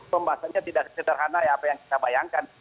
pembahasannya tidak sederhana ya apa yang kita bayangkan